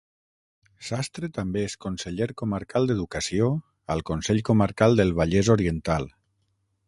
Sastre també és conseller comarcal d'educació, al Consell comarcal del Vallès Oriental.